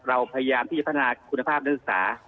เราพยายามพิจารณาคุณภาพและศึกษา